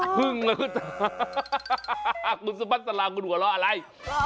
คุณสุภาษณ์สลามคุณหัวเราะอะไร